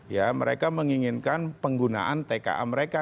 ya mereka menginginkan penggunaan tka mereka